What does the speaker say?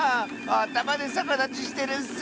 あたまでさかだちしてるッス！